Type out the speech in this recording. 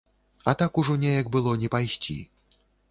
А так ужо неяк было не пайсці.